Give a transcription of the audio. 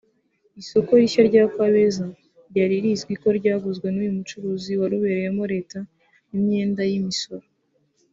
Isoko rishya rya Kabeza ryari rizwi ko ryaguzwe n’uyu mucuruzi wari ubereyemo leta imyenda y’imisoro